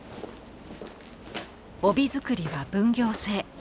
帯づくりは分業制。